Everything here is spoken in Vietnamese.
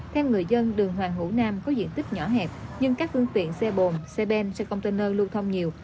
theo người dân đường hoàng hữu nam có diện tích nhỏ hẹp nhưng các phương tiện xe bồn xe ben xe container lưu thông nhiều